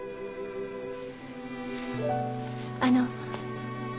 あの。